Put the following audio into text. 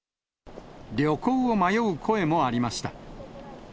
旅行を迷う声もありました。